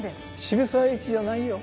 渋沢栄一じゃないよ。